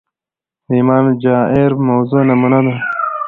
د امام جائر موضوع نمونه ده